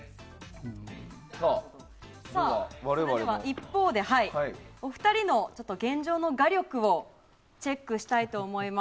一方で、お二人の現状の画力をチェックしたいと思います。